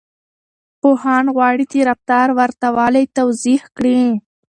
پوهان غواړي د رفتار ورته والی توضيح کړي.